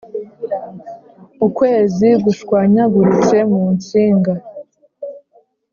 ukwezi gushwanyaguritse mu nsinga!